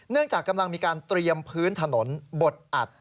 จากกำลังมีการเตรียมพื้นถนนบดอัด